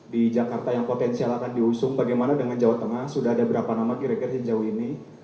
di jakarta yang potensial akan diusung bagaimana dengan jawa tengah sudah ada berapa nama kira kira sejauh ini